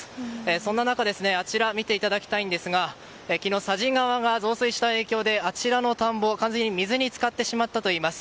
そんな中、あちら昨日、佐治川が増水した影響であちらの田んぼが完全に水に浸かってしまったといいます。